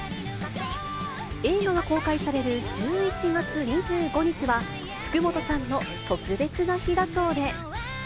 映画が公開される１１月２５日は、福本さんの特別な日だそうで。